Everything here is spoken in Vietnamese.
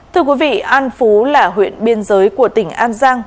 thưa quý vị an phú là huyện biên giới của tỉnh an giang